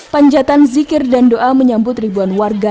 panjatan zikir dan doa menyambut ribuan warga